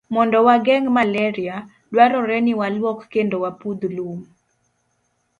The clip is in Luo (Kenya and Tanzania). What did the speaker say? Mondo wageng' malaria, dwarore ni walwok kendo wapudh lum.